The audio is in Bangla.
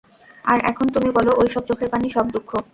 আর এখন তুমি বলো, ঐ সব চোখের পানি, সব দুঃখ।